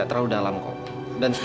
aku mau menangis